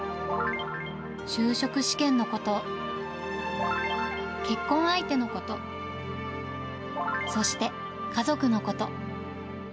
就職試験のこと、結婚相手のこと、そして家族のこと。